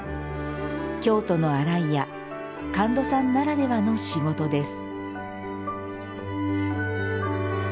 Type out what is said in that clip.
京都の洗い屋神門さんならではの仕事です。